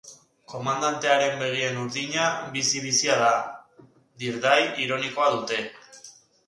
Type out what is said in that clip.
Komandantearen begien urdina bizi-bizia da, dirdai ironikoa dute.